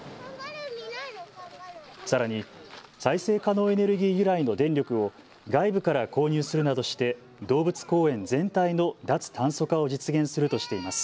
さらに再生可能エネルギー由来の電力を外部から購入するなどして動物公園全体の脱炭素化を実現するとしています。